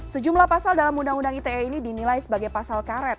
sejumlah pasal dalam undang undang ite ini dinilai sebagai pasal karet